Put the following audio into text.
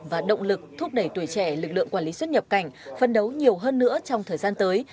và động lực thúc đẩy tuổi trẻ lực lượng quản lý xuất nhập cảnh phân đấu nhiều hơn nữa trong thời gian tới